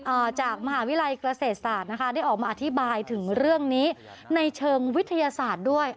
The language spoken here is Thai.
จากมหาวิทยาลัยเกษตรศาสตร์นะคะได้ออกมาอธิบายถึงเรื่องนี้ในเชิงวิทยาศาสตร์ด้วย